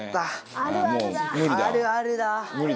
あるあるだ。